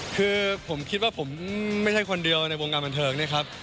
คือผมคิดว่าผมไม่ใช่คนเดียวในวงการบันเทิงเนี่ยครับ